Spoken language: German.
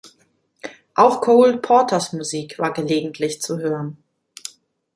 Auch Cole Porters Musik war gelegentlich zu hören.